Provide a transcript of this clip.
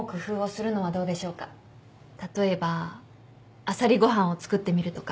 例えばあさりご飯を作ってみるとか。